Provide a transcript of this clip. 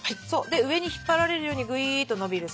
で上に引っ張られるようにグイーッと伸びる。